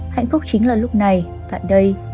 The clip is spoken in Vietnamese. hạnh phúc chính là lúc này tận đây